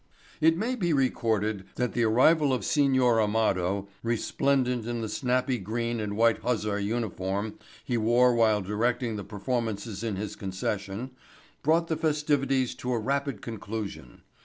It may be recorded that the arrival of Signor Amado, resplendent in the snappy green and white huzzar uniform he wore while directing the performances in his concession, brought the festivities to a rapid conclusion.